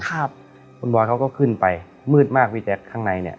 ครับคุณบอยเขาก็ขึ้นไปมืดมากพี่แจ๊คข้างในเนี้ย